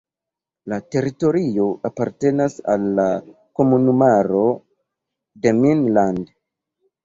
La teritorio apartenas al la komunumaro "Demmin-Land".